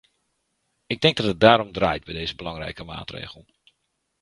Ik denkt dat het daarom draait bij deze belangrijke maatregel.